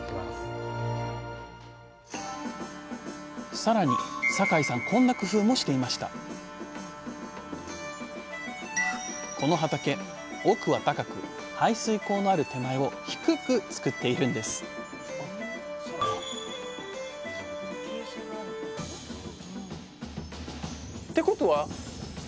さらに酒井さんこんな工夫もしていましたこの畑奥は高く排水溝のある手前を低く作っているんですもう一つうまいッ！のヒミツがこちら。